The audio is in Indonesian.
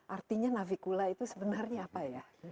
artinya navicula itu sebenarnya apa ya